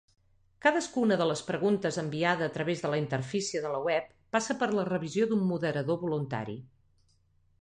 Cadascuna de les preguntes enviada a travès de la interfície de la web passa per la revisió d"un moderador voluntari.